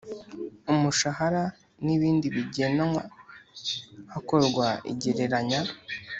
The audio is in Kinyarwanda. umushahara n’ibindi bigenwa hakorwa igereranya